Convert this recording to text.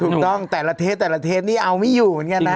ถูกต้องแต่ละเทสนี่เอาไม่อยู่เหมือนกันนะ